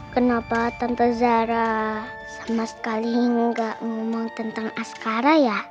kenapa tanpa zara sama sekali nggak ngomong tentang askara ya